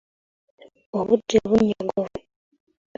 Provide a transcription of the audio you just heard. Obudde bunnyogovu.